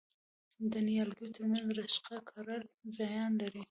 د نیالګیو ترمنځ رشقه کرل زیان لري؟